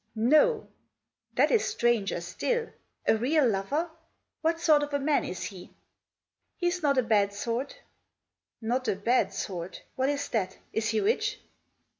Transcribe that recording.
* No 1 That is stranger still ! A real lover ? What sort of a man is he ?" "He's not a bad sort." " Not a bad sort ? What is that ? Is he rich